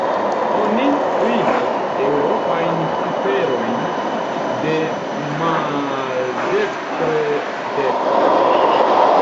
Oni skribas eŭropajn ciferojn demaldekstre-dekstren.